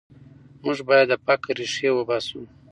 موږ باید د فقر ریښې وباسو.